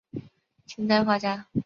清代画家。